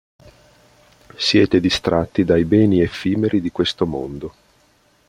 Siete distratti dai beni effimeri di questo mondo.